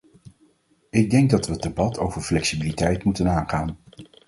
Ik denk dat we het debat over flexibiliteit moeten aangaan.